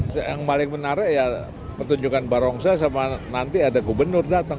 yang paling menarik ya pertunjukan barongsai sama nanti ada gubernur datang